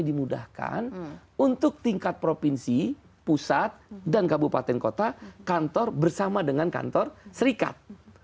dimudahkan untuk tingkat provinsi pusat dan kabupaten kota kantor bersama dengan kantor serikat